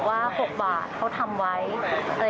ได้คืนมาอย่างไร